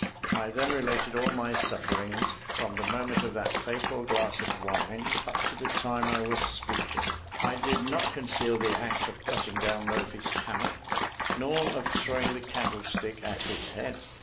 I then related all my sufferings, from the moment of that fatal glass of wine up to the time I was speaking. I did not conceal the act of cutting down Murphy's hammock, nor of throwing the candlestick at his head.